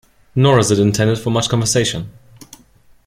Nor is it intended for much conversation.